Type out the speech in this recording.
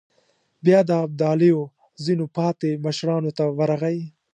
بيا د ابداليو ځينو پاتې مشرانو ته ورغی.